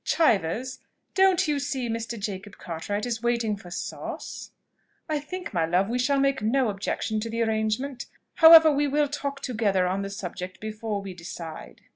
Chivers! don't you see Mr. Jacob Cartwright is waiting for sauce?... I think, my love, we shall make no objection to the arrangement: however, we will talk together on the subject before we decide."